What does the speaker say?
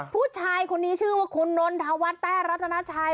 ผู้ชายคนนี้ชื่อว่าคุณนนทวัฒน์แต้รัตนาชัย